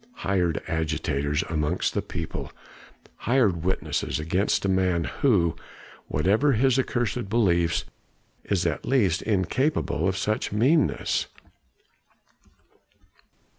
"Hired agitators amongst the people; hired witnesses against a man who, whatever his accursed beliefs, is at least incapable of such meanness."